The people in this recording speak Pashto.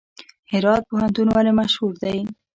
هرات پوهنتون ولې مشهور دی؟